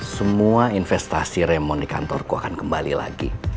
semua investasi remond di kantorku akan kembali lagi